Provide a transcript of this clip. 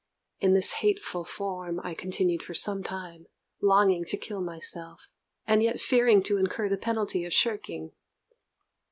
In this hateful form I continued for some time, longing to kill myself, and yet fearing to incur the penalty of shirking.